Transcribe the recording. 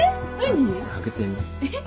えっ？